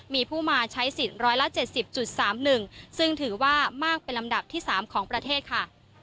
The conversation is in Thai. มีผู้มาใช้สิทธิ์๑๗๐๓๑ซึ่งถือว่ามากเป็นลำดับที่๓ของประเทศค่ะ